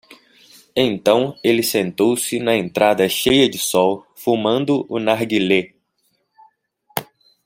Então ele sentou-se na entrada cheia de sol, fumando o narguilé.